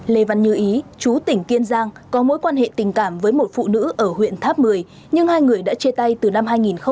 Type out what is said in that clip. lê văn như ý chú tỉnh kiên giang có mối quan hệ tình cảm với một phụ nữ ở huyện tháp một mươi nhưng hai người đã chia tay từ năm hai nghìn một mươi